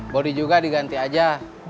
bodi juga diganti aja